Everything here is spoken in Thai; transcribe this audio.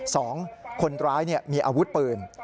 สองคนร้ายมีอาวุธปืน